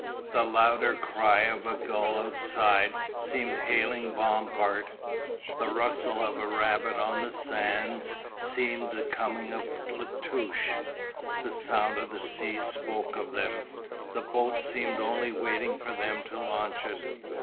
The louder cry of a gull outside seemed hailing Bompard, the rustle of a rabbit on the sands seemed the coming of La Touche, the sound of the sea spoke of them, the boat seemed only waiting for them to launch it.